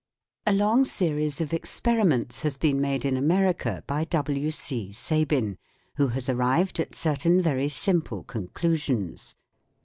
A long series of experiments has been made in America by W. C. Sabine, who has arrived at certain very simple conclusions.